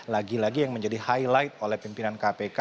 lagi lagi yang menjadi highlight oleh pimpinan kpk